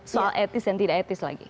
soal etis dan tidak etis lagi